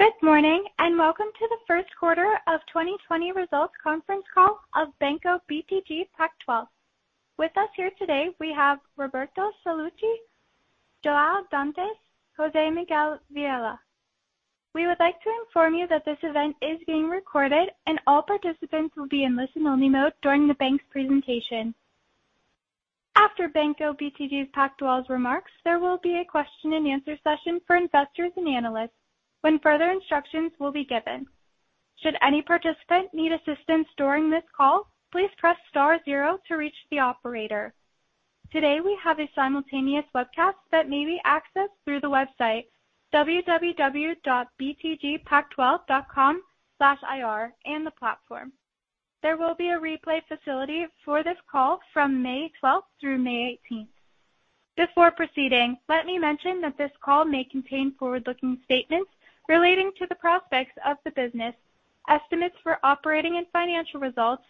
Good morning, welcome to the first quarter of 2020 results conference call of Banco BTG Pactual. With us here today, we have Roberto Sallouti, João Dantas, José Miguel Vieira. We would like to inform you that this event is being recorded, all participants will be in listen-only mode during the bank's presentation. After Banco BTG Pactual's remarks, there will be a question and answer session for investors and analysts when further instructions will be given. Should any participant need assistance during this call, please press star zero to reach the operator. Today, we have a simultaneous webcast that may be accessed through the website www.btgpactual.com/ir the platform. There will be a replay facility for this call from May 12th through May 18th. Before proceeding, let me mention that this call may contain forward-looking statements relating to the prospects of the business, estimates for operating and financial results,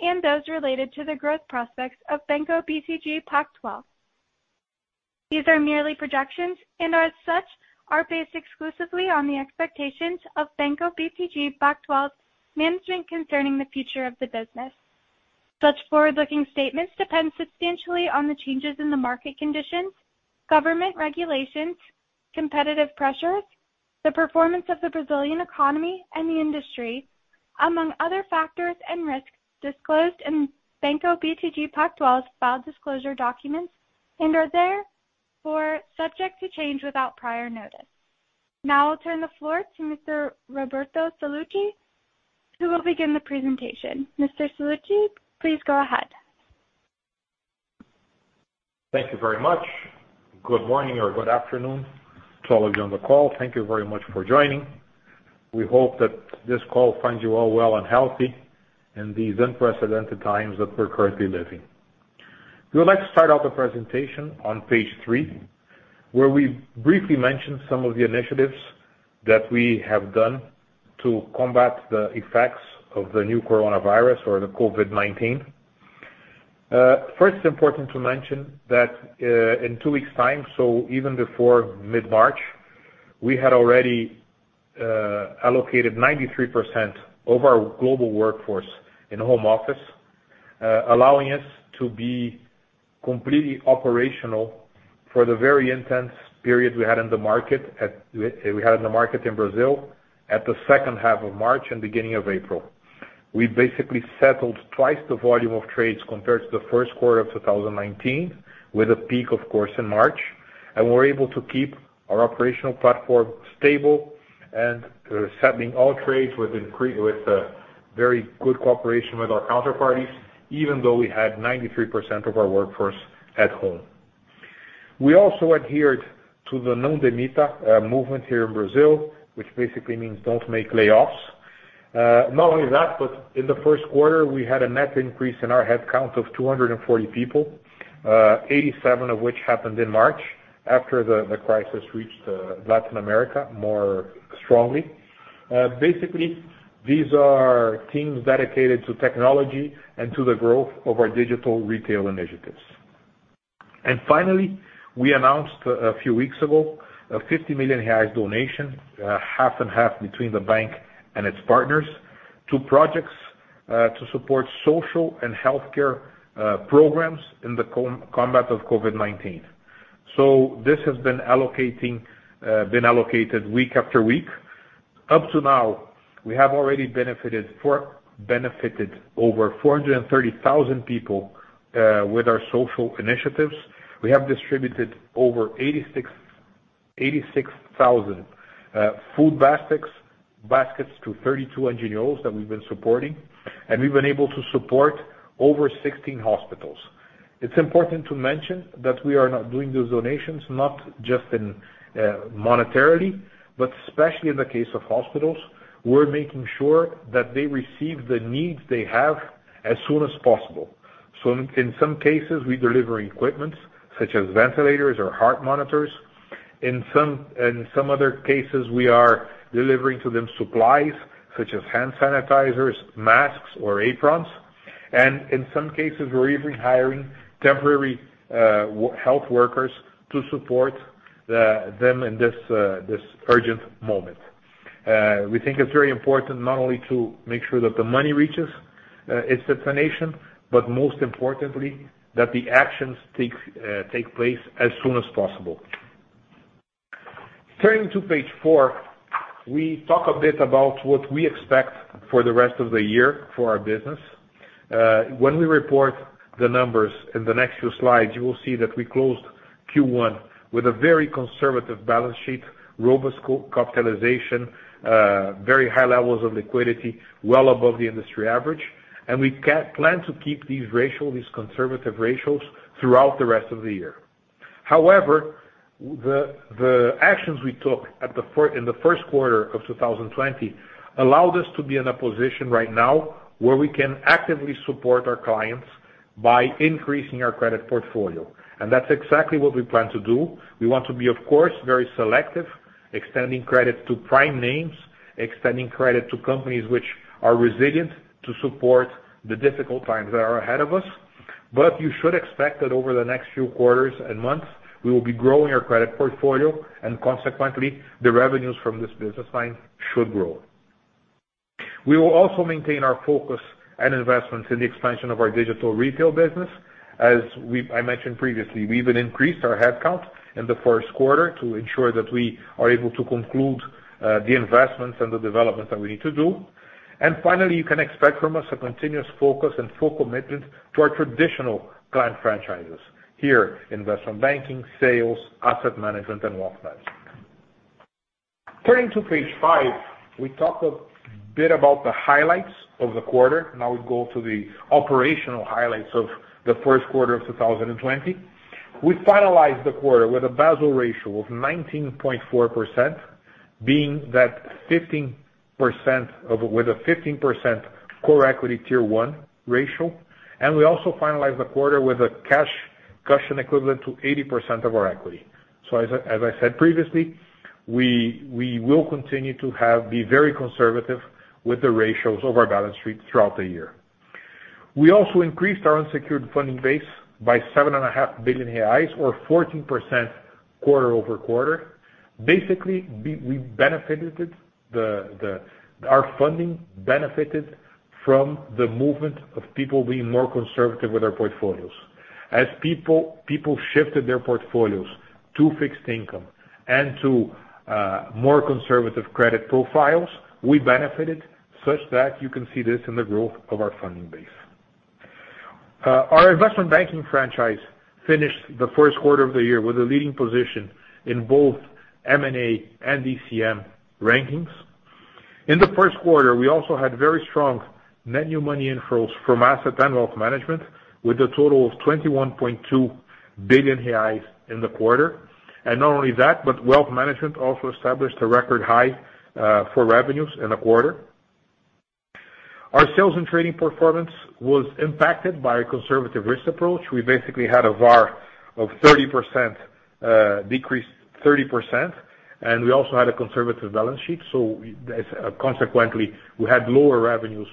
and those related to the growth prospects of Banco BTG Pactual. These are merely projections, and as such, are based exclusively on the expectations of Banco BTG Pactual's management concerning the future of the business. Such forward-looking statements depend substantially on the changes in the market conditions, government regulations, competitive pressures, the performance of the Brazilian economy and the industry, among other factors and risks disclosed in Banco BTG Pactual's filed disclosure documents, and are therefore subject to change without prior notice. Now I'll turn the floor to Mr. Roberto Sallouti, who will begin the presentation. Mr. Sallouti, please go ahead. Thank you very much. Good morning or good afternoon to all of you on the call. Thank you very much for joining. We hope that this call finds you all well and healthy in these unprecedented times that we're currently living. We would like to start off the presentation on page three, where we briefly mention some of the initiatives that we have done to combat the effects of the new coronavirus or the COVID-19. First, it is important to mention that in two weeks' time, so even before mid-March, we had already allocated 93% of our global workforce in home office, allowing us to be completely operational for the very intense period we had in the market in Brazil at the second half of March and beginning of April. We basically settled twice the volume of trades compared to the first quarter of 2019, with a peak, of course, in March, and we were able to keep our operational platform stable and settling all trades with very good cooperation with our counterparties, even though we had 93% of our workforce at home. We also adhered to the Não Demita Movement here in Brazil, which basically means don't make layoffs. Not only that, but in the first quarter, we had a net increase in our headcount of 240 people, 87 of which happened in March after the crisis reached Latin America more strongly. Basically, these are teams dedicated to technology and to the growth of our digital retail initiatives. Finally, we announced a few weeks ago a 50 million reais donation, half and half between the bank and its partners, to projects to support social and healthcare programs in the combat of COVID-19. This has been allocated week after week. Up to now, we have already benefited over 430,000 people with our social initiatives. We have distributed over 86,000 food baskets to 32 NGOs that we've been supporting, and we've been able to support over 16 hospitals. It's important to mention that we are not doing those donations not just monetarily, but especially in the case of hospitals, we're making sure that they receive the needs they have as soon as possible. In some cases, we deliver equipment such as ventilators or heart monitors. In some other cases, we are delivering to them supplies such as hand sanitizers, masks, or aprons. In some cases, we're even hiring temporary health workers to support them in this urgent moment. We think it's very important not only to make sure that the money reaches its destination, but most importantly, that the actions take place as soon as possible. Turning to page four, we talk a bit about what we expect for the rest of the year for our business. When we report the numbers in the next few slides, you will see that we closed Q1 with a very conservative balance sheet, robust capitalization, very high levels of liquidity, well above the industry average, and we plan to keep these conservative ratios throughout the rest of the year. The actions we took in the first quarter of 2020 allowed us to be in a position right now where we can actively support our clients by increasing our credit portfolio. That's exactly what we plan to do. We want to be, of course, very selective, extending credit to prime names, extending credit to companies which are resilient to support the difficult times that are ahead of us. You should expect that over the next few quarters and months, we will be growing our credit portfolio and consequently, the revenues from this business line should grow. We will also maintain our focus and investments in the expansion of our digital retail business. As I mentioned previously, we even increased our headcount in the first quarter to ensure that we are able to conclude the investments and the developments that we need to do. Finally, you can expect from us a continuous focus and full commitment to our traditional client franchises here, Investment Banking, Sales, Asset Management, and Wealth Management. Turning to page five, we talked a bit about the highlights of the quarter. We go to the operational highlights of the first quarter of 2020. We finalized the quarter with a Basel ratio of 19.4%, being that with a 15% core equity Tier 1 ratio. We also finalized the quarter with a cash cushion equivalent to 80% of our equity. As I said previously, we will continue to be very conservative with the ratios of our balance sheet throughout the year. We also increased our unsecured funding base by R$7.5 billion, or 14% quarter-over-quarter. Basically, our funding benefited from the movement of people being more conservative with their portfolios. As people shifted their portfolios to fixed income and to more conservative credit profiles, we benefited such that you can see this in the growth of our funding base. Our Investment Banking franchise finished the first quarter of the year with a leading position in both M&A and DCM rankings. In the first quarter, we also had very strong net new money inflows from Asset Management and Wealth Management, with a total of R$21.2 billion in the quarter. Not only that, but Wealth Management also established a record high for revenues in the quarter. Our Sales and Trading performance was impacted by a conservative risk approach. We basically had a VaR of 30% decrease, 30%, and we also had a conservative balance sheet. Consequently, we had lower revenues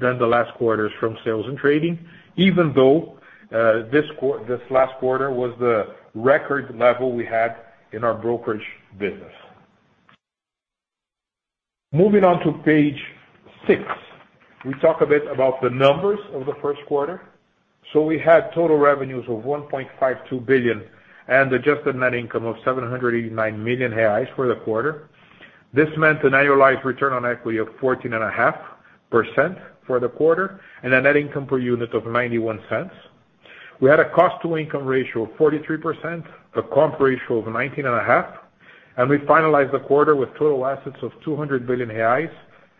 than the last quarters from Sales and Trading, even though this last quarter was the record level we had in our brokerage business. Moving on to page six, we talk a bit about the numbers of the first quarter. We had total revenues of 1.52 billion and adjusted net income of R$789 million for the quarter. This meant an annualized return on equity of 14.5% for the quarter, and a net income per unit of R$0.91. We had a cost-to-income ratio of 43%, a comp ratio of 19.5%, and we finalized the quarter with total assets of R$200 billion,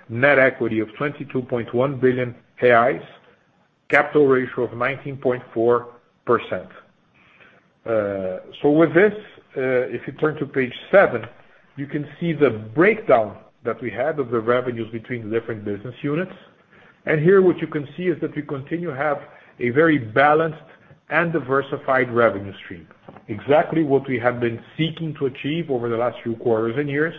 net equity of R$22.1 billion, capital ratio of 19.4%. With this, if you turn to page seven, you can see the breakdown that we had of the revenues between different business units. Here, what you can see is that we continue to have a very balanced and diversified revenue stream. Exactly what we have been seeking to achieve over the last few quarters and years.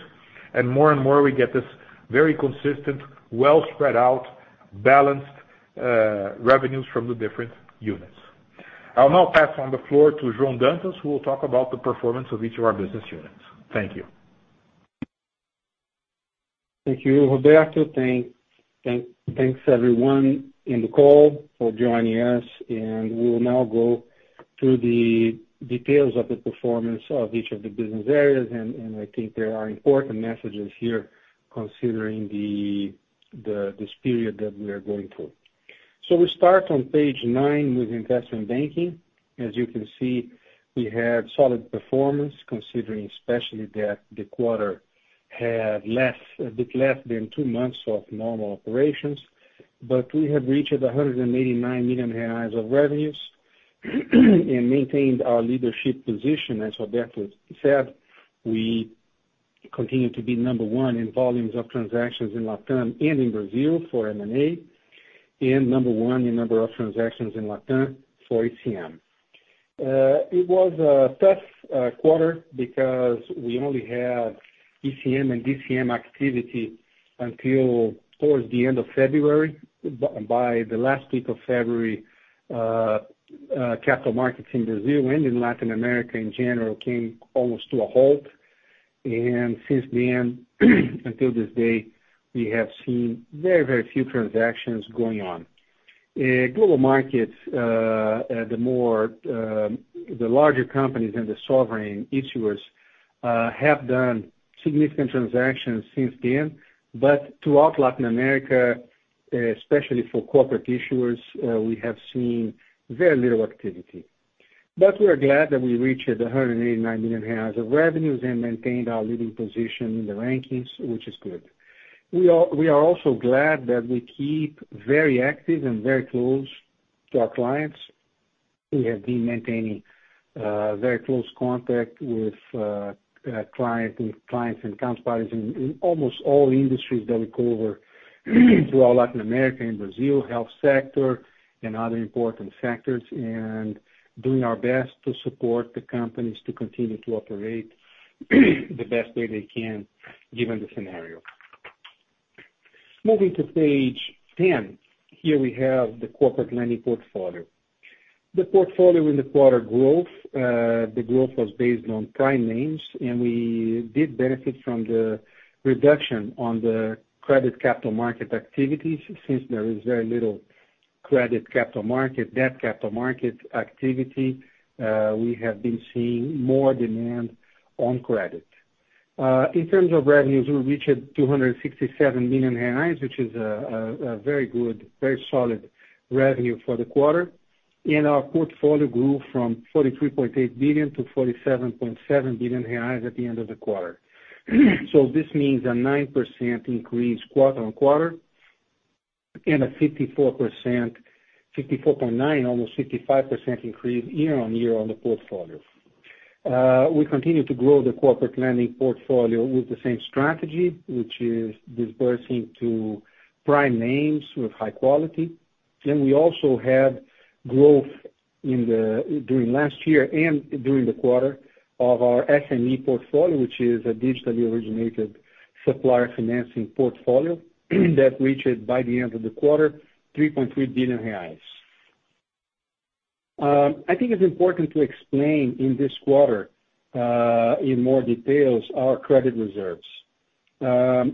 More and more, we get this very consistent, well-spread out, balanced revenues from the different units. I'll now pass on the floor to João Dantas, who will talk about the performance of each of our business units. Thank you. Thank you, Roberto. Thanks everyone in the call for joining us. We will now go through the details of the performance of each of the business areas. I think there are important messages here considering this period that we are going through. We start on page nine with Investment Banking. As you can see, we had solid performance considering especially that the quarter had a bit less than two months of normal operations. We have reached R$189 million of revenues and maintained our leadership position. As Roberto said, we continue to be number one in volumes of transactions in LatAm and in Brazil for M&A, and number one in number of transactions in LatAm for ECM. It was a tough quarter because we only had ECM and DCM activity until towards the end of February. By the last week of February, capital markets in Brazil and in Latin America in general came almost to a halt. Since then, until this day, we have seen very few transactions going on. Global markets, the larger companies and the sovereign issuers have done significant transactions since then. Throughout Latin America, especially for corporate issuers, we have seen very little activity. We are glad that we reached R$189 million of revenues and maintained our leading position in the rankings, which is good. We are also glad that we keep very active and very close to our clients. We have been maintaining very close contact with clients and counterparties in almost all industries that we cover throughout Latin America and Brazil, health sector and other important sectors, and doing our best to support the companies to continue to operate the best way they can given the scenario. Moving to page 10. Here we have the Corporate Lending portfolio. The portfolio in the quarter growth. The growth was based on prime names. We did benefit from the reduction on the credit capital market activity. Since there is very little credit capital market, debt capital market activity, we have been seeing more demand on credit. In terms of revenues, we reached 267 million reais, which is a very good, very solid revenue for the quarter. Our portfolio grew from 43.8 billion to 47.7 billion reais at the end of the quarter. This means a 9% increase quarter-on-quarter and a 54.9%, almost 55% increase year-on-year on the portfolio. We continue to grow the Corporate Lending portfolio with the same strategy, which is disbursing to prime names with high quality. We also had growth during last year and during the quarter of our SME portfolio, which is a digitally originated supplier financing portfolio that reached, by the end of the quarter, 3.3 billion reais. I think it's important to explain, in this quarter, in more details, our credit reserves.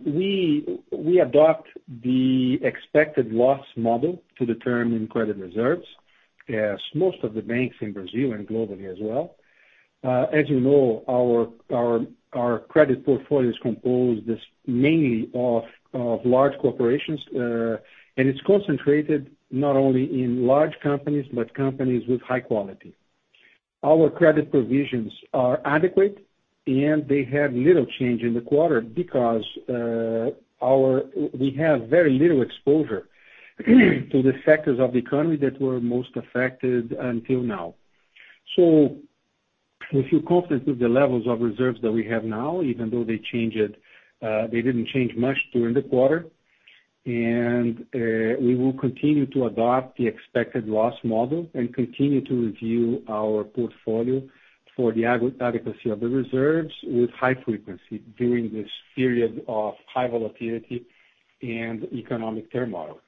We adopt the expected loss model to determine credit reserves, as most of the banks in Brazil and globally as well. As you know, our credit portfolio is composed mainly of large corporations, and it's concentrated not only in large companies, but companies with high quality. Our credit provisions are adequate. They had little change in the quarter because we have very little exposure to the sectors of the economy that were most affected until now. We feel confident with the levels of reserves that we have now, even though they didn't change much during the quarter. We will continue to adopt the expected loss model and continue to review our portfolio for the adequacy of the reserves with high frequency during this period of high volatility and economic turmoil.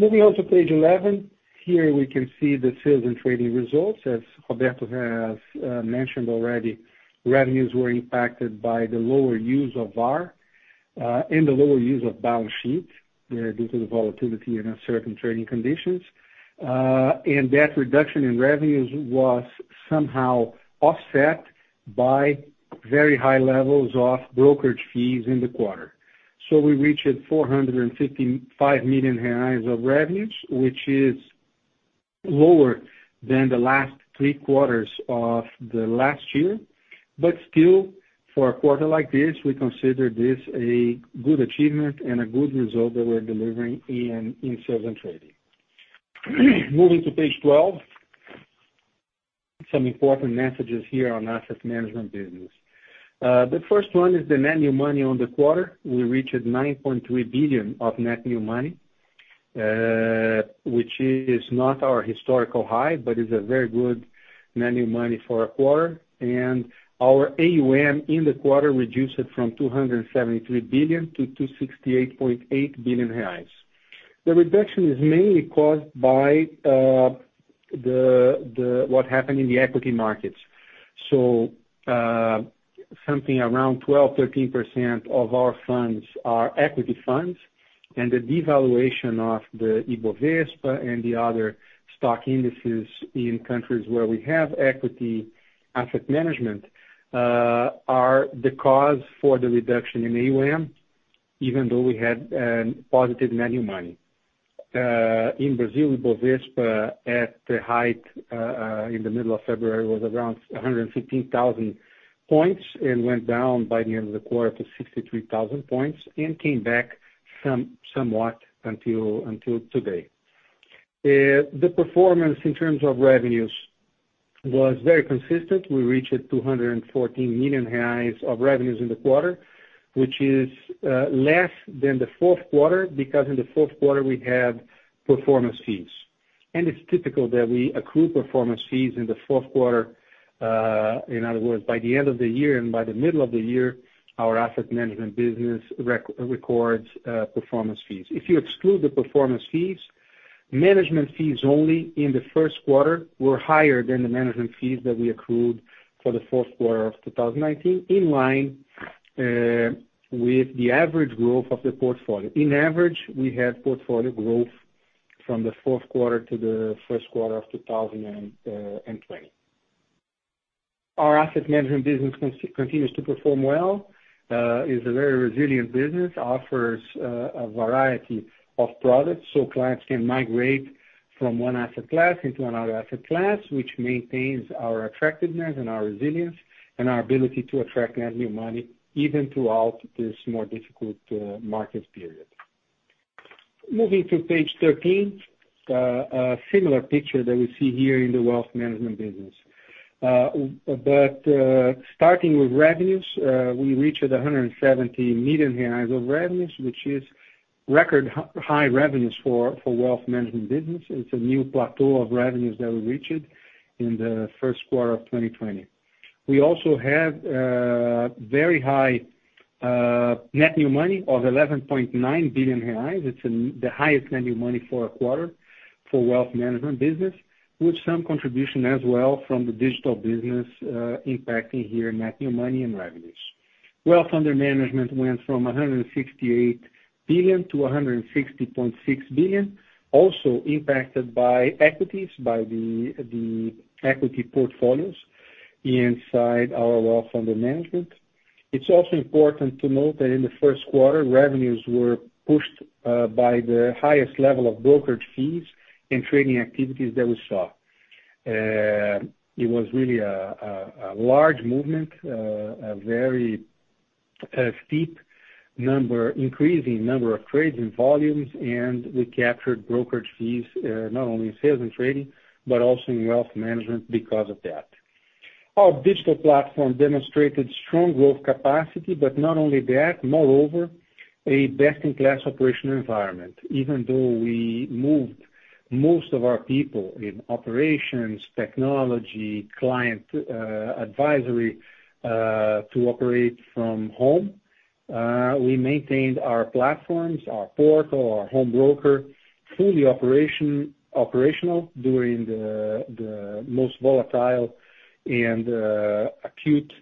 Moving on to page 11. Here we can see the Sales and Trading results. As Roberto has mentioned already, revenues were impacted by the lower use of VaR and the lower use of balance sheet due to the volatility and uncertain trading conditions. That reduction in revenues was somehow offset by very high levels of brokerage fees in the quarter. We reached 455 million reais of revenues, which is lower than the last three quarters of the last year. Still, for a quarter like this, we consider this a good achievement and a good result that we're delivering in Sales and Trading. Moving to page 12. Some important messages here on Asset Management business. The first one is the net new money on the quarter. We reached 9.3 billion of net new money, which is not our historical high, but is a very good net new money for a quarter. Our AUM in the quarter reduced from 273 billion to 268.8 billion reais. The reduction is mainly caused by what happened in the equity markets. Something around 12%, 13% of our funds are equity funds. The devaluation of the Bovespa and the other stock indices in countries where we have equity Asset Management are the cause for the reduction in AUM, even though we had positive net new money. In Brazil, Bovespa, at the height in the middle of February, was around 115,000 points and went down by the end of the quarter to 63,000 points and came back somewhat until today. The performance in terms of revenues was very consistent. We reached R$214 million of revenues in the quarter, which is less than the fourth quarter, because in the fourth quarter we have performance fees. It's typical that we accrue performance fees in the fourth quarter. In other words, by the end of the year and by the middle of the year, our Asset Management business records performance fees. If you exclude the performance fees, management fees only in the first quarter were higher than the management fees that we accrued for the fourth quarter of 2019, in line with the average growth of the portfolio. In average, we had portfolio growth from the fourth quarter to the first quarter of 2020. Our Asset Management business continues to perform well. It's a very resilient business, offers a variety of products so clients can migrate from one asset class into another asset class, which maintains our attractiveness and our resilience and our ability to attract net new money even throughout this more difficult market period. Moving to page 13. A similar picture that we see here in the Wealth Management business. Starting with revenues, we reached R$170 million of revenues, which is record high revenues for Wealth Management business. It's a new plateau of revenues that we reached in the first quarter of 2020. We also have a very high net new money of R$11.9 billion. It's the highest net new money for a quarter for Wealth Management business, with some contribution as well from the digital business, impacting here net new money and revenues. Wealth under management went from R$168 billion to R$160.6 billion, also impacted by equities, by the equity portfolios inside our wealth under management. It's also important to note that in the first quarter, revenues were pushed by the highest level of brokerage fees and trading activities that we saw. It was really a large movement, a very steep number, increasing number of trades and volumes, and we captured brokerage fees, not only in Sales and Trading, but also in Wealth Management because of that. Our digital platform demonstrated strong growth capacity, not only that, moreover, a best-in-class operational environment. Even though we moved most of our people in operations, technology, client advisory, to operate from home, we maintained our platforms, our portal, our home broker, fully operational during the most volatile and acute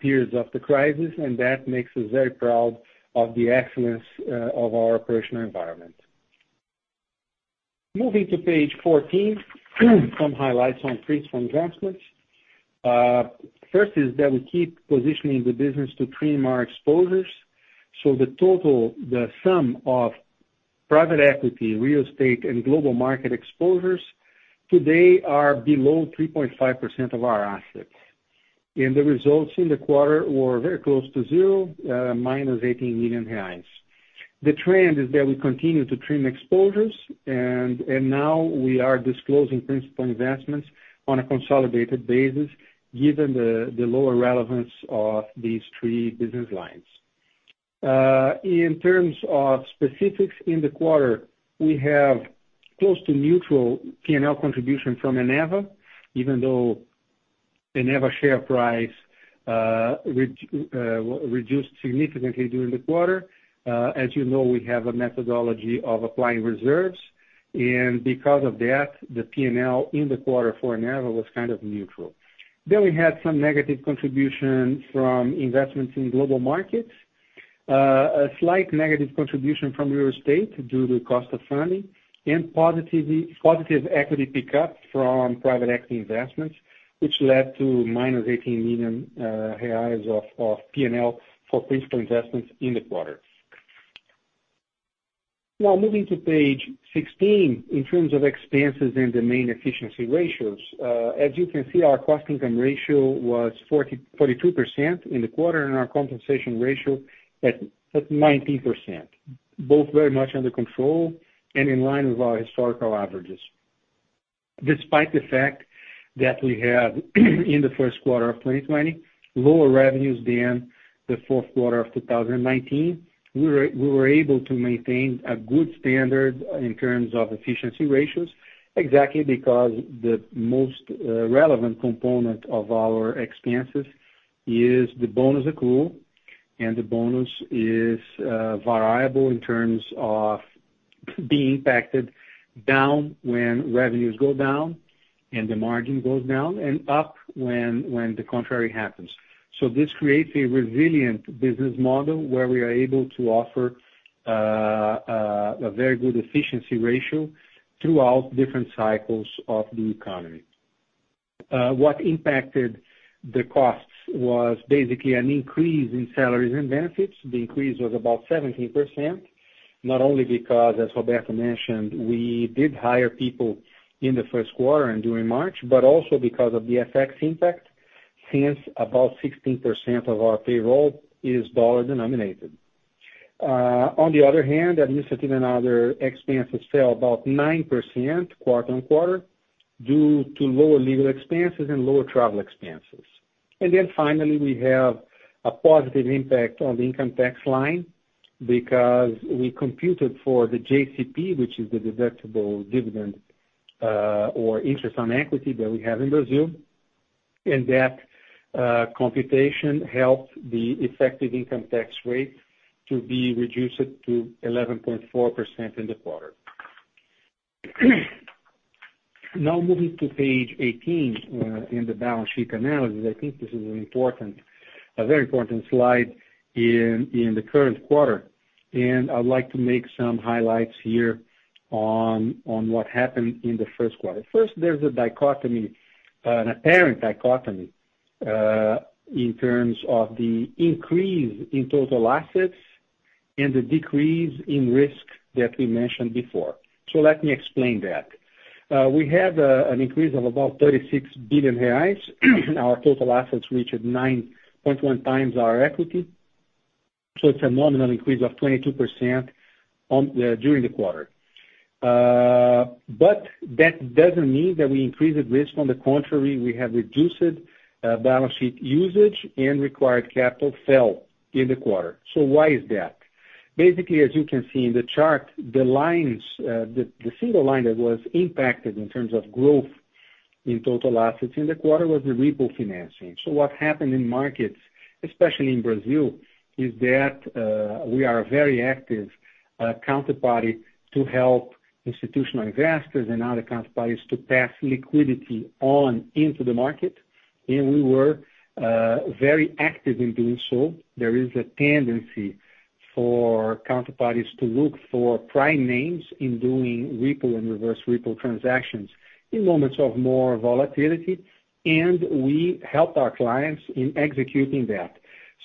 periods of the crisis. That makes us very proud of the excellence of our operational environment. Moving to page 14, some highlights on principal investments. First is that we keep positioning the business to trim our exposures. The total, the sum of private equity, real estate, and global market exposures today are below 3.5% of our assets. The results in the quarter were very close to zero, minus R$18 million. The trend is that we continue to trim exposures, and now we are disclosing principal investments on a consolidated basis given the lower relevance of these three business lines. In terms of specifics in the quarter, we have close to neutral P&L contribution from Eneva, even though Eneva share price reduced significantly during the quarter. As you know, we have a methodology of applying reserves, and because of that, the P&L in the quarter for Eneva was kind of neutral. We had some negative contribution from investments in global markets. A slight negative contribution from real estate due to cost of funding and positive equity pickup from private equity investments, which led to minus R$18 million of P&L for principal investments in the quarter. Moving to page 16, in terms of expenses and the main efficiency ratios. As you can see, our cost income ratio was 42% in the quarter, and our compensation ratio at 19%. Both very much under control and in line with our historical averages. Despite the fact that we had, in the first quarter of 2020, lower revenues than the fourth quarter of 2019, we were able to maintain a good standard in terms of efficiency ratios, exactly because the most relevant component of our expenses is the bonus accrual. The bonus is variable in terms of being impacted down when revenues go down and the margin goes down, and up when the contrary happens. This creates a resilient business model where we are able to offer a very good efficiency ratio throughout different cycles of the economy. What impacted the costs was basically an increase in salaries and benefits. The increase was about 17%, not only because, as Roberto mentioned, we did hire people in the first quarter and during March, but also because of the FX impact, since about 16% of our payroll is dollar-denominated. Administrative and other expenses fell about 9% quarter-on-quarter due to lower legal expenses and lower travel expenses. Finally, we have a positive impact on the income tax line because we computed for the JCP, which is the deductible dividend, or interest on equity that we have in Brazil. That computation helped the effective income tax rate to be reduced to 11.4% in the quarter. Now moving to page 18, in the balance sheet analysis. I think this is a very important slide in the current quarter. I'd like to make some highlights here on what happened in the first quarter. First, there's a dichotomy, an apparent dichotomy, in terms of the increase in total assets and the decrease in risk that we mentioned before. Let me explain that. We have an increase of about 36 billion reais. Our total assets reached 9.1 times our equity. It's a nominal increase of 22% during the quarter. That doesn't mean that we increased risk. On the contrary, we have reduced balance sheet usage and required capital fell in the quarter. Why is that? Basically, as you can see in the chart, the single line that was impacted in terms of growth in total assets in the quarter was the repo financing. What happened in markets, especially in Brazil, is that we are a very active counterparty to help institutional investors and other counterparties to pass liquidity on into the market. We were very active in doing so. There is a tendency for counterparties to look for prime names in doing repo and reverse repo transactions in moments of more volatility. We help our clients in executing that.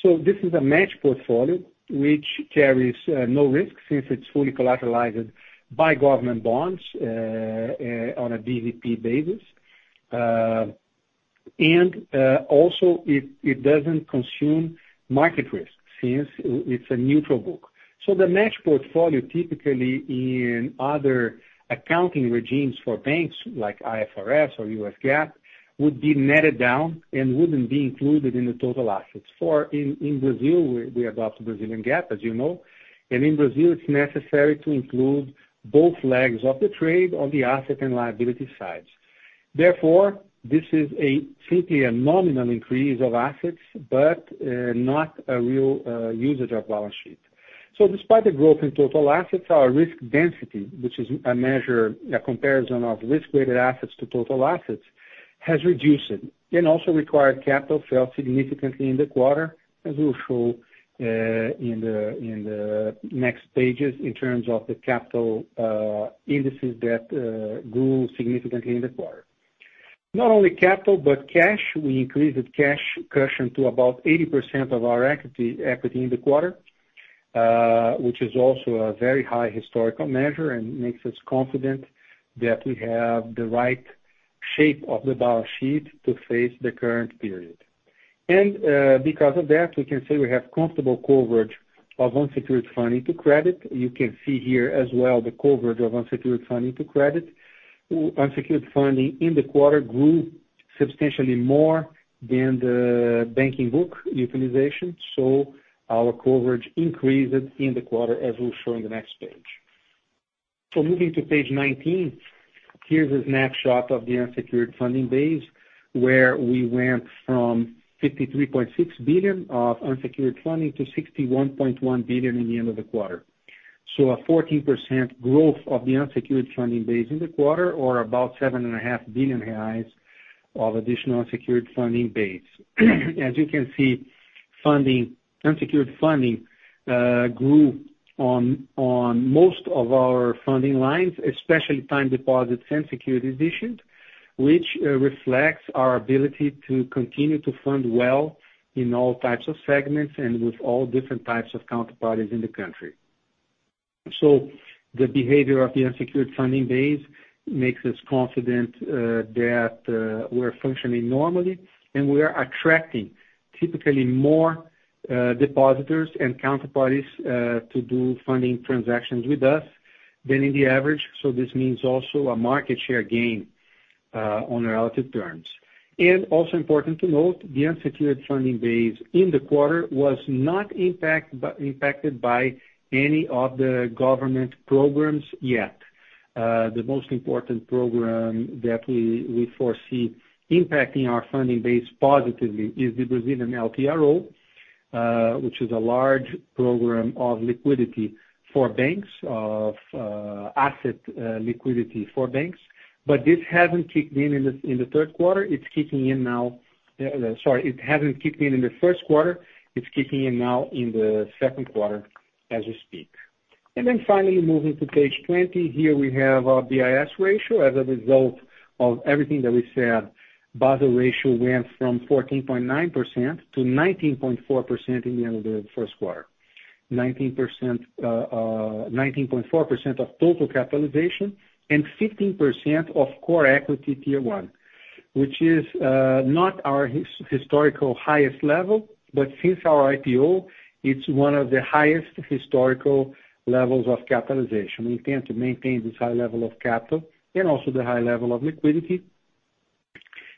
This is a match portfolio which carries no risk since it's fully collateralized by government bonds on a DVP basis. Also, it doesn't consume market risk since it's a neutral book. The match portfolio, typically in other accounting regimes for banks like IFRS or U.S. GAAP, would be netted down and wouldn't be included in the total assets. In Brazil, we adopt Brazilian GAAP, as you know. In Brazil, it's necessary to include both legs of the trade on the asset and liability sides. Therefore, this is simply a nominal increase of assets, but not a real usage of balance sheet. Despite the growth in total assets, our risk density, which is a comparison of risk-weighted assets to total assets, has reduced and also required capital fell significantly in the quarter, as we'll show in the next pages in terms of the capital indices that grew significantly in the quarter. Not only capital, but cash. We increased cash cushion to about 80% of our equity in the quarter, which is also a very high historical measure and makes us confident that we have the right shape of the balance sheet to face the current period. Because of that, we can say we have comfortable coverage of unsecured funding to credit. You can see here as well the coverage of unsecured funding to credit. Unsecured funding in the quarter grew substantially more than the banking book utilization. Our coverage increased in the quarter, as we'll show in the next page. Moving to page 19, here's a snapshot of the unsecured funding base, where we went from 53.6 billion of unsecured funding to 61.1 billion in the end of the quarter. A 14% growth of the unsecured funding base in the quarter, or about 7.5 billion reais of additional unsecured funding base. As you can see, unsecured funding grew on most of our funding lines, especially time deposits and securities issued, which reflects our ability to continue to fund well in all types of segments and with all different types of counterparties in the country. The behavior of the unsecured funding base makes us confident that we're functioning normally, and we are attracting typically more depositors and counterparties to do funding transactions with us than in the average. This means also a market share gain on relative terms. Also important to note, the unsecured funding base in the quarter was not impacted by any of the government programs yet. The most important program that we foresee impacting our funding base positively is the Brazilian LPRO, which is a large program of liquidity for banks, of asset liquidity for banks. This hasn't kicked in the third quarter. It's kicking in now. Sorry, it hasn't kicked in the first quarter. It's kicking in now in the second quarter as we speak. Finally, moving to page 20, here we have our BIS ratio. As a result of everything that we said, Basel ratio went from 14.9% to 19.4% in the end of the first quarter. 19.4% of total capitalization and 15% of core equity Tier 1, which is not our historical highest level, but since our IPO, it's one of the highest historical levels of capitalization. We intend to maintain this high level of capital and also the high level of liquidity.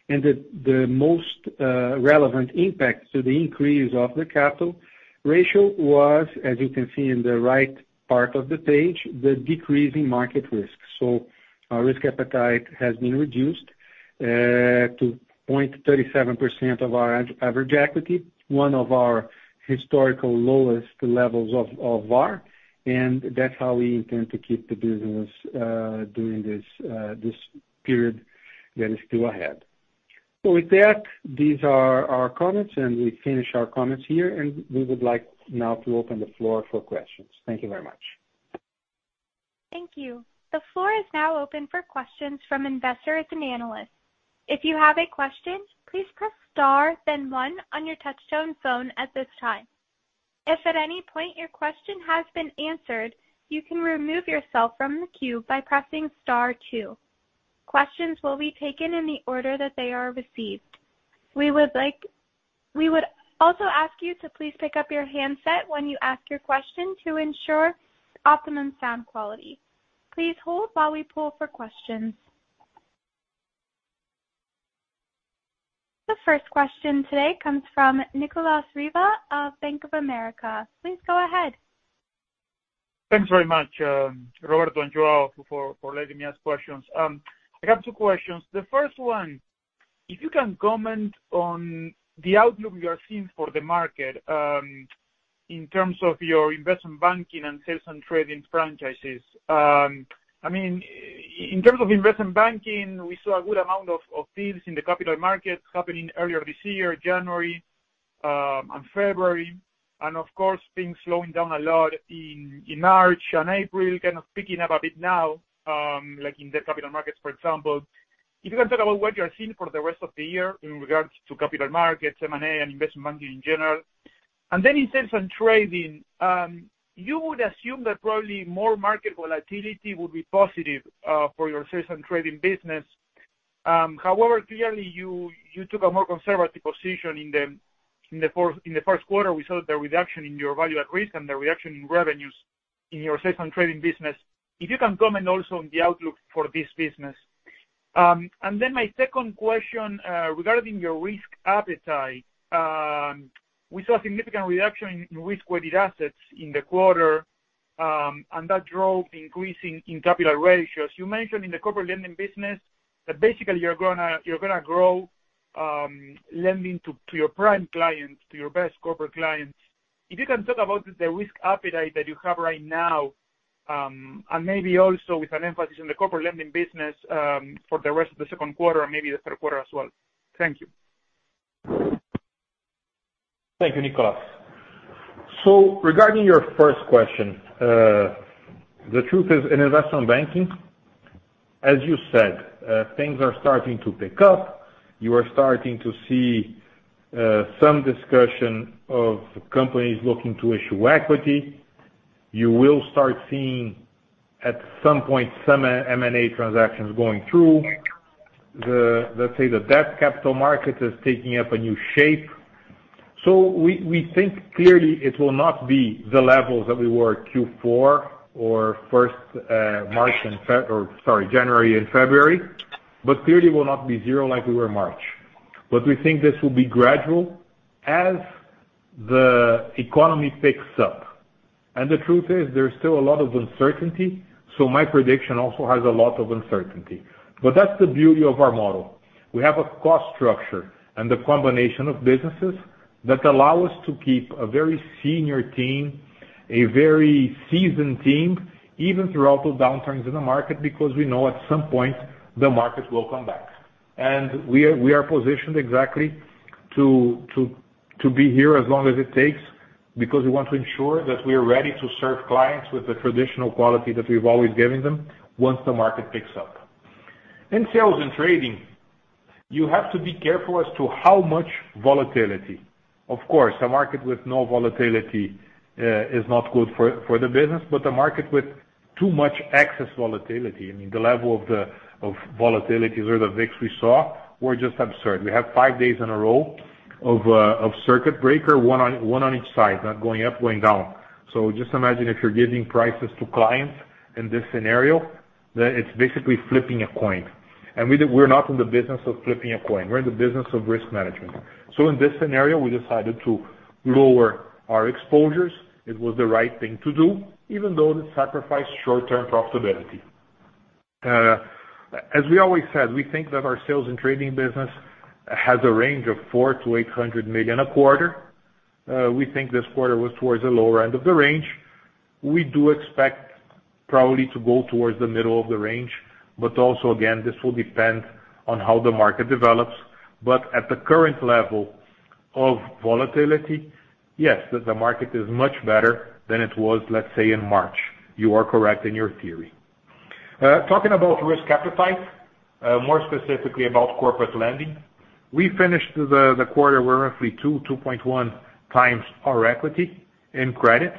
The most relevant impact to the increase of the capital ratio was, as you can see in the right part of the page, the decrease in market risk. Our risk appetite has been reduced to 0.37% of our average equity, one of our historical lowest levels of VaR, and that's how we intend to keep the business during this period that is still ahead. With that, these are our comments, and we finish our comments here, and we would like now to open the floor for questions. Thank you very much. Thank you. The floor is now open for questions from investors and analysts. If you have a question, please press star then one on your touch-tone phone at this time. If at any point your question has been answered, you can remove yourself from the queue by pressing star two. Questions will be taken in the order that they are received. We would also ask you to please pick up your handset when you ask your question to ensure optimum sound quality. Please hold while we pull for questions. The first question today comes from Nicolas Riva of Bank of America. Please go ahead. Thanks very much, Roberto and João, for letting me ask questions. I have two questions. The first one, if you can comment on the outlook you are seeing for the market in terms of your Investment Banking and Sales and Trading franchises. In terms of Investment Banking, we saw a good amount of deals in the capital markets happening earlier this year, January and February. Of course, things slowing down a lot in March and April, kind of picking up a bit now, like in the capital markets, for example. If you can talk about what you are seeing for the rest of the year in regards to capital markets, M&A, and Investment Banking in general. Then in Sales and Trading, you would assume that probably more market volatility would be positive for your Sales and Trading business. Clearly you took a more conservative position in the first quarter. We saw the reduction in your Value at Risk and the reduction in revenues in your Sales and Trading business. If you can comment also on the outlook for this business. My second question, regarding your risk appetite. We saw a significant reduction in risk-weighted assets in the quarter, and that drove increasing in capital ratios. You mentioned in the Corporate Lending business that basically you're going to grow lending to your prime clients, to your best corporate clients. If you can talk about the risk appetite that you have right now, and maybe also with an emphasis on the Corporate Lending business, for the rest of the second quarter, and maybe the third quarter as well. Thank you. Thank you, Nicolas. Regarding your first question, the truth is, in Investment Banking, as you said, things are starting to pick up. You are starting to see some discussion of companies looking to issue equity. You will start seeing, at some point, some M&A transactions going through. Let's say the debt capital market is taking up a new shape. We think clearly it will not be the levels that we were at Q4 or January and February, but clearly will not be zero like we were in March. We think this will be gradual as the economy picks up. The truth is, there's still a lot of uncertainty, so my prediction also has a lot of uncertainty. That's the beauty of our model. We have a cost structure and the combination of businesses that allow us to keep a very senior team, a very seasoned team, even throughout the downturns in the market, because we know at some point the market will come back. We are positioned exactly to be here as long as it takes, because we want to ensure that we are ready to serve clients with the traditional quality that we've always given them once the market picks up. In Sales and Trading, you have to be careful as to how much volatility. Of course, a market with no volatility is not good for the business, but a market with too much excess volatility, I mean, the level of volatility or the VIX we saw were just absurd. We have five days in a row of circuit breaker, one on each side, going up, going down. Just imagine if you're giving prices to clients in this scenario, that it's basically flipping a coin. We're not in the business of flipping a coin. We're in the business of risk management. In this scenario, we decided to lower our exposures. It was the right thing to do, even though it sacrificed short-term profitability. As we always said, we think that our Sales and Trading business has a range of 400 million-800 million a quarter. We think this quarter was towards the lower end of the range. We do expect probably to go towards the middle of the range, but also, again, this will depend on how the market develops. At the current level of volatility, yes, the market is much better than it was, let's say, in March. You are correct in your theory. Talking about risk appetite, more specifically about Corporate Lending. We finished the quarter, we're roughly two, 2.1 times our equity in credit.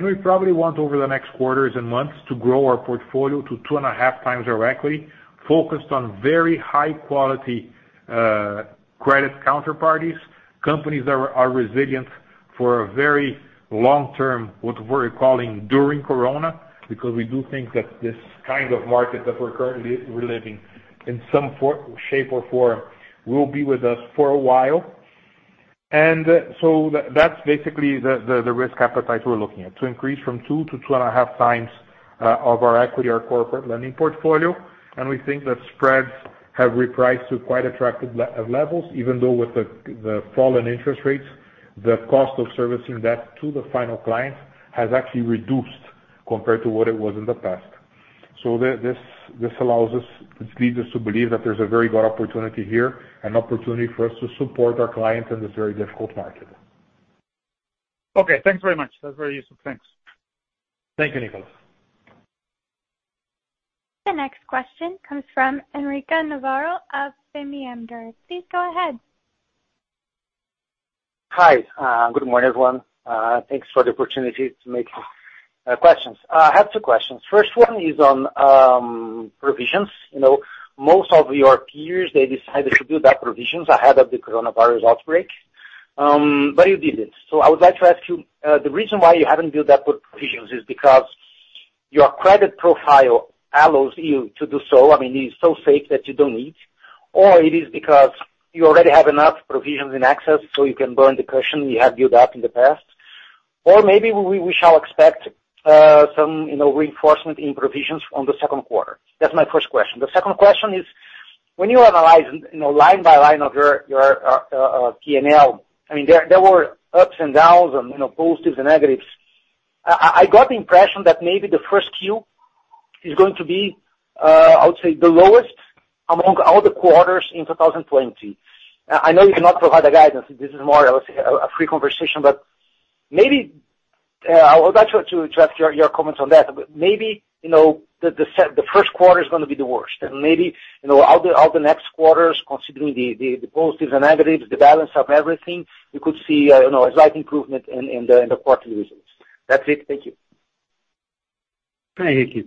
We probably want over the next quarters and months to grow our portfolio to two and a half times our equity, focused on very high-quality credit counterparties. Companies that are resilient for a very long-term, what we're calling during Corona, because we do think that this kind of market that we're currently living in some shape or form will be with us for a while. That's basically the risk appetite we're looking at, to increase from two to two and a half times of our equity, our Corporate Lending portfolio. We think that spreads have repriced to quite attractive levels, even though with the fall in interest rates, the cost of servicing debt to the final client has actually reduced compared to what it was in the past. This leads us to believe that there's a very good opportunity here, an opportunity for us to support our clients in this very difficult market. Okay, thanks very much. That's very useful. Thanks. Thank you, Nicolas. The next question comes from Henrique Navarro of Banco Fator. Please go ahead. Hi. Good morning, everyone. Thanks for the opportunity to make questions. I have two questions. First one is on provisions. Most of your peers, they decided to build up provisions ahead of the coronavirus outbreak, but you didn't. I would like to ask you, the reason why you haven't built up provisions is because your credit profile allows you to do so. I mean, it is so safe that you don't need, or it is because you already have enough provisions in excess, so you can burn the cushion you have built up in the past. Maybe we shall expect some reinforcement in provisions on the second quarter. That's my first question. The second question is, when you analyze line by line of your P&L, there were ups and downs and positives and negatives. I got the impression that maybe the first Q is going to be, I would say, the lowest among all the quarters in 2020. I know you cannot provide a guidance. This is more of, let's say, a free conversation. I would like to address your comments on that. Maybe, the first quarter is going to be the worst. Maybe, all the next quarters, considering the positives and negatives, the balance of everything, we could see a slight improvement in the quarter results. That's it. Thank you. Hi, Henrique.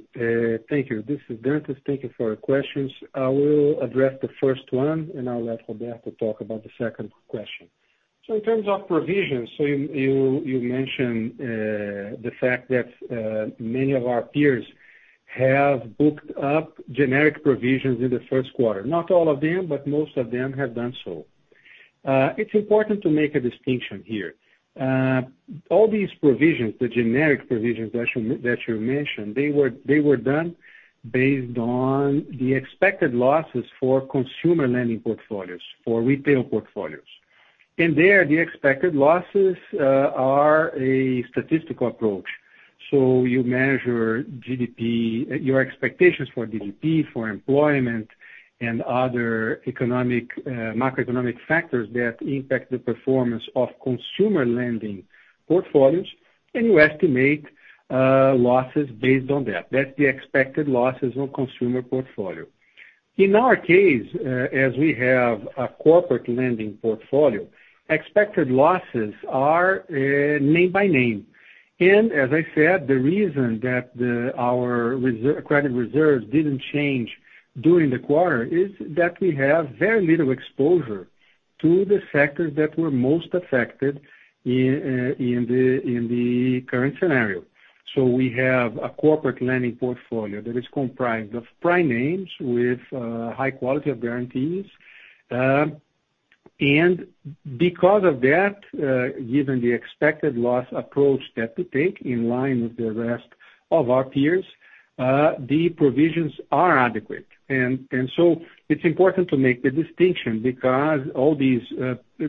Thank you. This is Dantas. Thank you for your questions. I will address the first one, and I'll let Roberto talk about the second question. In terms of provisions, you mentioned the fact that many of our peers have booked up generic provisions in the first quarter. Not all of them, most of them have done so. It's important to make a distinction here. All these provisions, the generic provisions that you mentioned, they were done based on the expected losses for Corporate Lending portfolios, for retail portfolios. There, the expected losses are a statistical approach. You measure your expectations for GDP, for employment, and other macroeconomic factors that impact the performance of Corporate Lending portfolios, and you estimate losses based on that. That's the expected losses on consumer portfolio. In our case, as we have a corporate lending portfolio, expected losses are name by name. As I said, the reason that our credit reserves didn't change during the quarter is that we have very little exposure to the sectors that were most affected in the current scenario. We have a corporate lending portfolio that is comprised of prime names with a high quality of guarantees. Because of that, given the expected loss approach that we take in line with the rest of our peers, the provisions are adequate. It's important to make the distinction because all these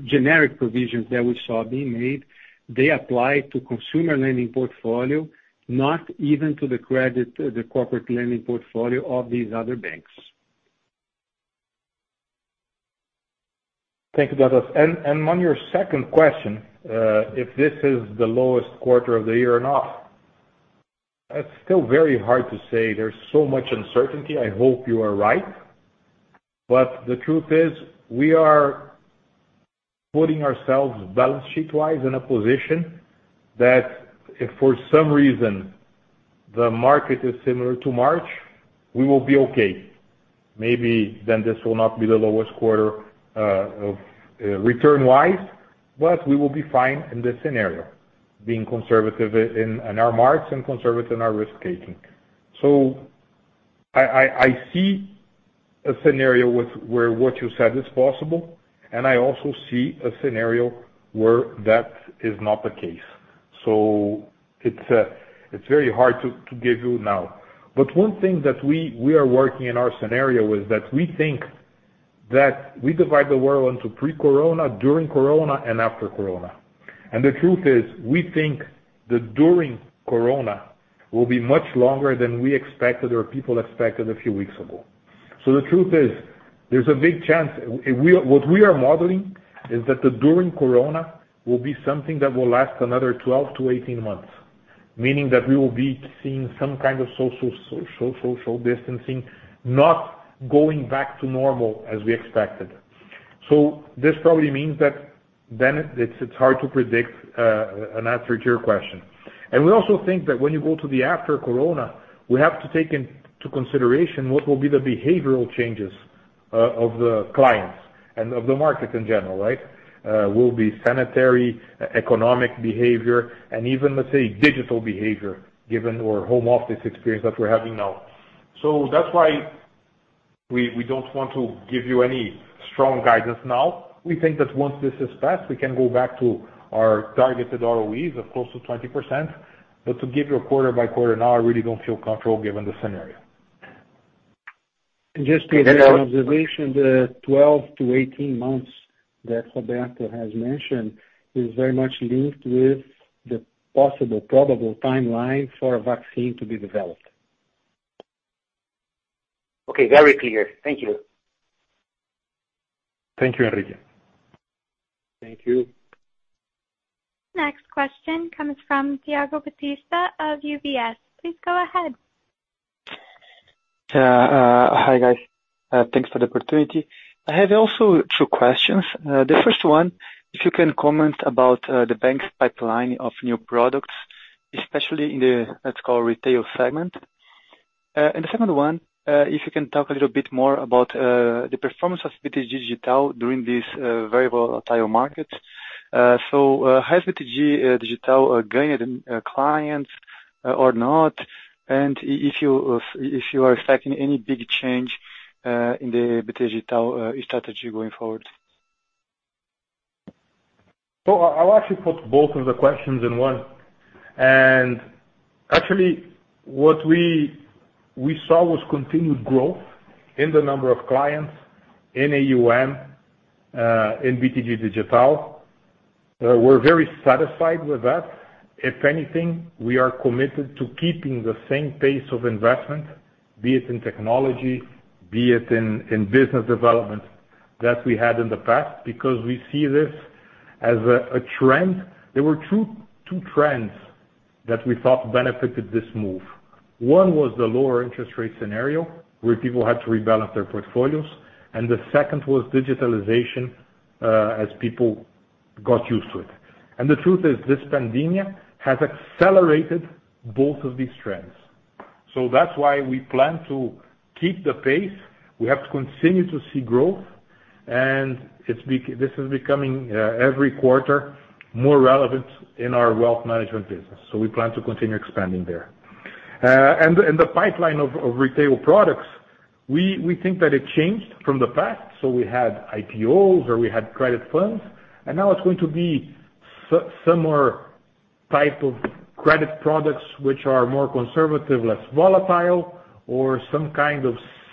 generic provisions that we saw being made, they apply to consumer lending portfolio, not even to the corporate lending portfolio of these other banks. Thank you, Dantas. On your second question, if this is the lowest quarter of the year or not, it's still very hard to say. There's so much uncertainty. I hope you are right. The truth is, we are putting ourselves balance-sheet-wise in a position that if for some reason the market is similar to March, we will be okay. Maybe this will not be the lowest quarter return-wise, we will be fine in this scenario, being conservative in our marks and conservative in our risk-taking. I see a scenario where what you said is possible, I also see a scenario where that is not the case. It's very hard to give you now. One thing that we are working in our scenario is that we think that we divide the world into pre-corona, during corona, and after corona. The truth is, we think that during Corona will be much longer than we expected or people expected a few weeks ago. The truth is, there's a big chance. What we are modeling is that the during Corona will be something that will last another 12 to 18 months, meaning that we will be seeing some kind of social distancing, not going back to normal as we expected. This probably means that then it's hard to predict an answer to your question. We also think that when you go to the after Corona, we have to take into consideration what will be the behavioral changes of the clients and of the market in general, right? Will be sanitary, economic behavior, and even, let's say, digital behavior, given our home office experience that we're having now. That's why we don't want to give you any strong guidance now. We think that once this has passed, we can go back to our targeted ROEs of close to 20%. To give you a quarter by quarter now, I really don't feel comfortable given the scenario. Just to give an observation, the 12-18 months that Roberto has mentioned is very much linked with the possible probable timeline for a vaccine to be developed. Okay. Very clear. Thank you. Thank you, Henrique. Thank you. Next question comes from Thiago Batista of UBS. Please go ahead. Hi, guys. Thanks for the opportunity. I have also two questions. The first one, if you can comment about the bank's pipeline of new products, especially in the, let's call, retail segment. The second one, if you can talk a little bit more about the performance of BTG Digital during this very volatile market. Has BTG Digital gained clients or not? If you are expecting any big change in the BTG Digital strategy going forward. I'll actually put both of the questions in one. Actually, what we saw was continued growth in the number of clients in AUM, in BTG Digital. We're very satisfied with that. If anything, we are committed to keeping the same pace of investment, be it in technology, be it in business development, that we had in the past, because we see this as a trend. There were two trends that we thought benefited this move. One was the lower interest rate scenario, where people had to rebalance their portfolios, and the second was digitalization as people got used to it. The truth is, this pandemic has accelerated both of these trends. That's why we plan to keep the pace. We have continued to see growth, and this is becoming, every quarter, more relevant in our Wealth Management business. We plan to continue expanding there. The pipeline of retail products, we think that it changed from the past. We had IPOs or we had credit funds, and now it's going to be similar type of credit products which are more conservative, less volatile, or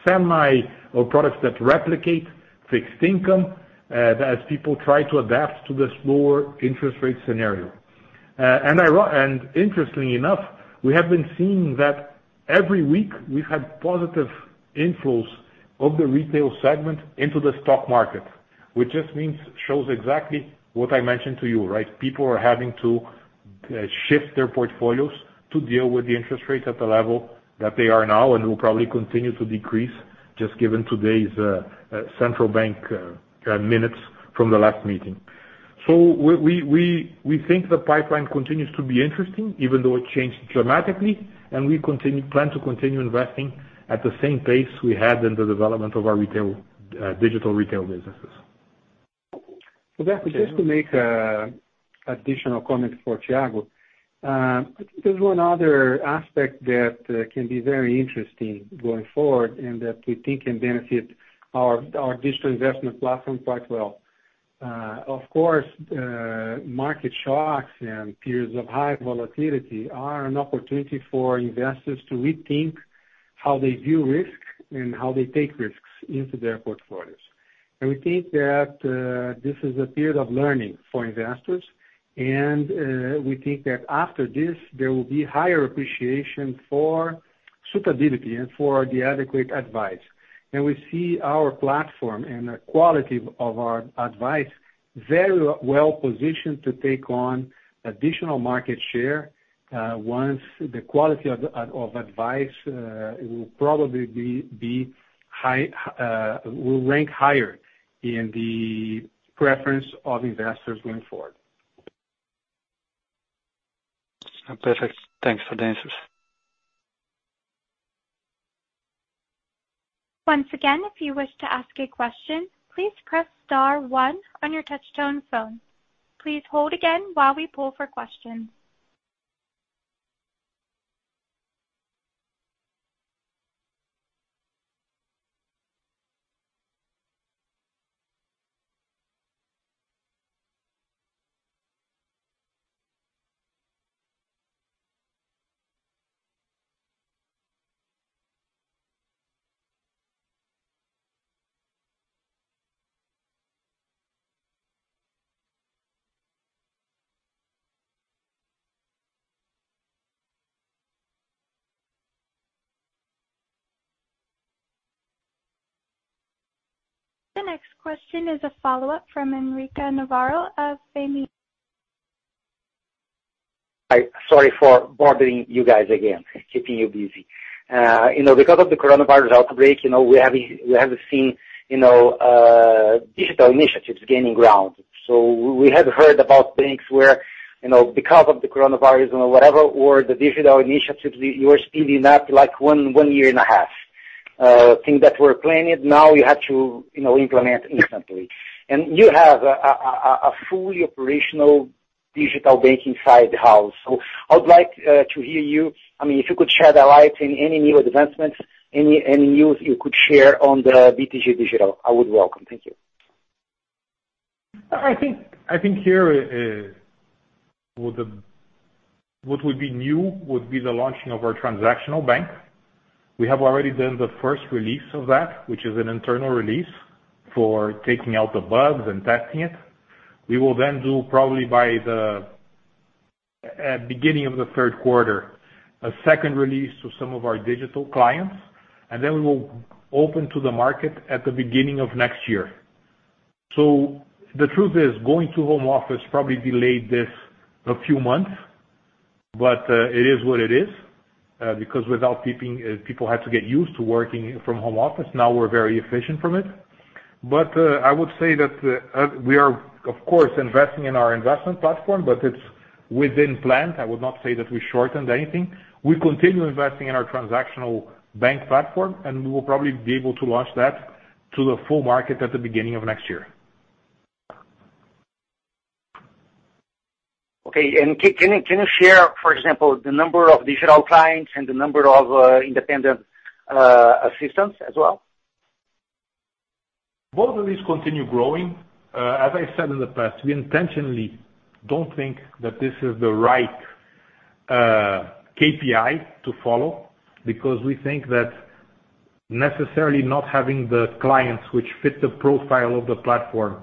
products that replicate fixed income as people try to adapt to this lower interest rate scenario. Interestingly enough, we have been seeing that every week we've had positive inflows of the retail segment into the stock market, which just means, shows exactly what I mentioned to you, right? People are having to shift their portfolios to deal with the interest rates at the level that they are now and will probably continue to decrease, just given today's central bank minutes from the last meeting. We think the pipeline continues to be interesting, even though it changed dramatically, and we plan to continue investing at the same pace we had in the development of our digital retail businesses. That's just to make additional comments for Thiago. There's one other aspect that can be very interesting going forward and that we think can benefit our digital investment platform quite well. Of course, market shocks and periods of high volatility are an opportunity for investors to rethink how they view risk and how they take risks into their portfolios. We think that this is a period of learning for investors, and we think that after this, there will be higher appreciation for suitability and for the adequate advice. We see our platform and the quality of our advice very well-positioned to take on additional market share, once the quality of advice will probably rank higher in the preference of investors going forward. Perfect. Thanks for the answers. Once again, if you wish to ask a question, please press star one on your touch tone phone. Please hold again while we pull for questions. The next question is a follow-up from Henrique Navarro of Santander. Hi. Sorry for bothering you guys again, keeping you busy. Because of the coronavirus outbreak, we have seen digital initiatives gaining ground. We have heard about banks where, because of the coronavirus or whatever, or the digital initiatives you were speeding up like one year and a half. Things that were planned, now you had to implement instantly. You have a fully operational digital banking side house. I would like to hear you, if you could shed a light in any new advancements, any news you could share on the BTG Digital, I would welcome. Thank you. I think here, what would be new would be the launching of our transactional bank. We have already done the first release of that, which is an internal release for taking out the bugs and testing it. We will do probably by the beginning of the third quarter, a second release to some of our digital clients, and then we will open to the market at the beginning of next year. The truth is, going to home office probably delayed this a few months, but it is what it is. People had to get used to working from home office, now we're very efficient from it. I would say that we are, of course, investing in our investment platform, but it's within plan. I would not say that we shortened anything. We continue investing in our transactional bank platform, and we will probably be able to launch that to the full market at the beginning of next year. Okay. Can you share, for example, the number of digital clients and the number of independent assistants as well? Both of these continue growing. As I said in the past, we intentionally don't think that this is the right KPI to follow, because we think that necessarily not having the clients which fit the profile of the platform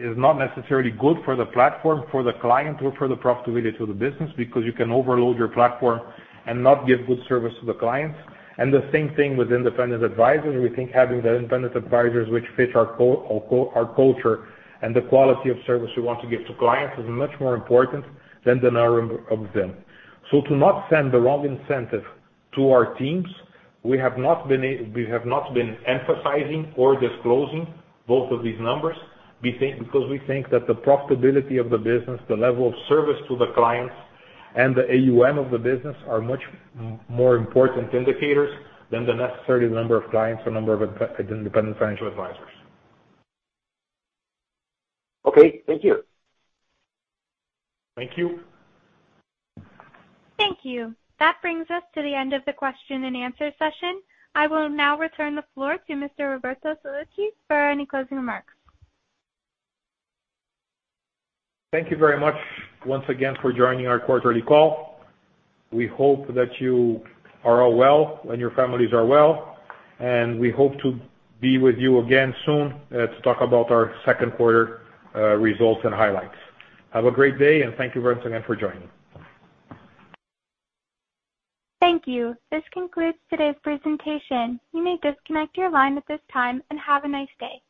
is not necessarily good for the platform, for the client, or for the profitability to the business, because you can overload your platform and not give good service to the clients. The same thing with independent advisors. We think having the independent advisors which fit our culture and the quality of service we want to give to clients is much more important than the number of them. To not send the wrong incentive to our teams, we have not been emphasizing or disclosing both of these numbers, because we think that the profitability of the business, the level of service to the clients, and the AUM of the business are much more important indicators than the necessary number of clients or number of independent financial advisors. Okay, thank you. Thank you. Thank you. That brings us to the end of the question and answer session. I will now return the floor to Mr. Roberto Sallouti for any closing remarks. Thank you very much once again for joining our quarterly call. We hope that you are all well and your families are well. We hope to be with you again soon to talk about our second quarter results and highlights. Have a great day. Thank you once again for joining. Thank you. This concludes today's presentation. You may disconnect your line at this time, and have a nice day.